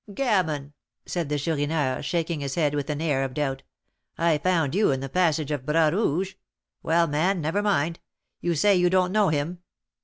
"Gammon!" said the Chourineur, shaking his head with an air of doubt. "I found you in the passage of Bras Rouge. Well, man, never mind. You say you don't know him?"